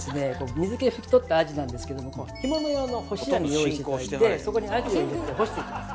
水け拭き取ったアジなんですけども干物用の干し網用意しましてそこにアジを入れて干していきます。